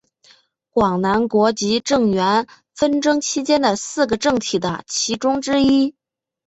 广南国及郑阮纷争期间的四个政体的其中之一。